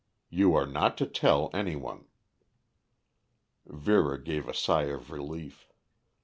You are not to tell any one." Vera gave a sigh of relief.